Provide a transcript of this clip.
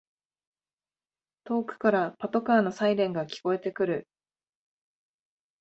遠くからパトカーのサイレンが聞こえてくる